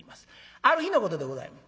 ある日のことでございます。